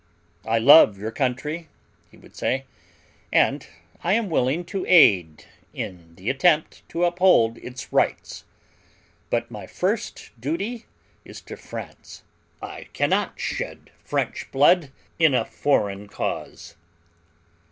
"I love your country," he would say, "and I am willing to aid in the attempt to uphold its rights, but my first duty is to France. I cannot shed French blood in a foreign cause."